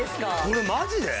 これマジで？